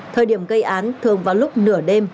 thời điểm gây án thường vào lúc nửa đêm